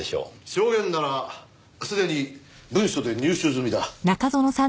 証言ならすでに文書で入手済みだ。